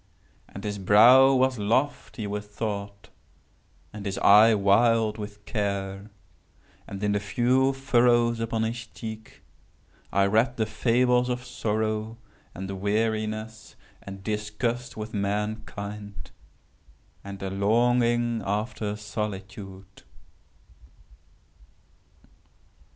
And his brow was lofty with thought, and his eye wild with care; and, in the few furrows upon his cheek I read the fables of sorrow, and weariness, and disgust with mankind, and a longing after solitude.